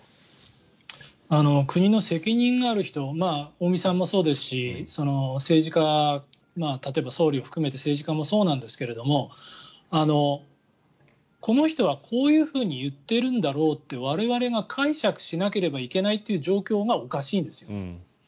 国の責任がある人尾身さんもそうですし例えば総理を含めて政治家もそうなんですけどこの人はこういうふうに言ってるんだろうって我々が解釈しなければいけないという状況がおかしいんですよ。